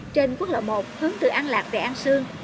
trên quốc lộ một hướng từ an lạc về an sương